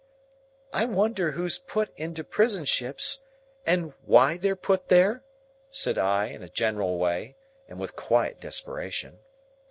"I wonder who's put into prison ships, and why they're put there?" said I, in a general way, and with quiet desperation.